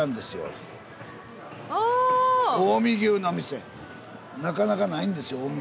スタジオなかなかないんですよ